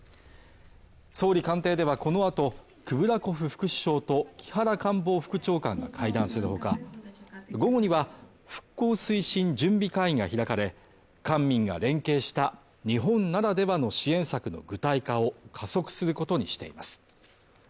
総理官邸ではこの後、クブラコフ副首相と木原官房副長官が会談する他、午後には復興推進準備会議が開かれ、官民が連携した日本ならではの支援策の具体化を加速することにしています。